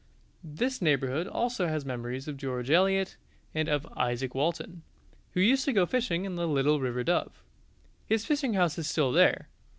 This neighbourhood also has memories of George Eliot, and of Izaak Walton, who used to go fishing in the little river Dove; his fishing house is still there.